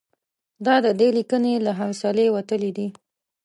دا د دې لیکنې له حوصلې وتلي دي.